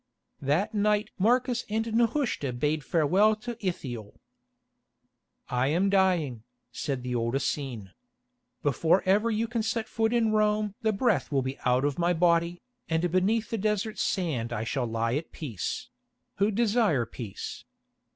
That night Marcus and Nehushta bade farewell to Ithiel. "I am dying," said the old Essene. "Before ever you can set foot in Rome the breath will be out of my body, and beneath the desert sand I shall lie at peace—who desire peace.